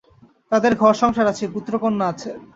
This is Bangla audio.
তাঁদের ঘর-সংসার আছে, পুত্রকন্যা আছে।